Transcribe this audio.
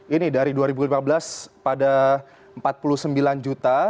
ini dari dua ribu lima belas pada empat puluh sembilan juta